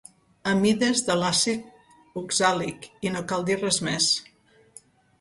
Amides de l'àcid oxàlic, i no cal dir res més.